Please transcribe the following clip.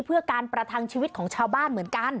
เพื่อการประทังชีวิตของชาวบ้านเหมือนกัน